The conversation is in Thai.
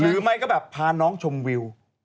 หรือไม่ก็แบบพาน้องชมวิว